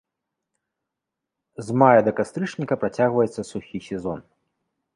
З мая да кастрычніка працягваецца сухі сезон.